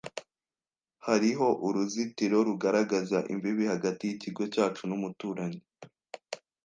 Hariho uruzitiro rugaragaza imbibi hagati yikigo cyacu n’umuturanyi.